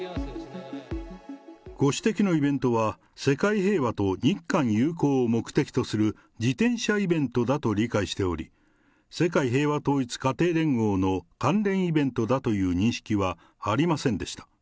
ご指摘のイベントは世界平和と日韓友好を目的とする自転車イベントだと理解しており、世界平和統一家庭連合の関連イベントだという認識はありませんでした。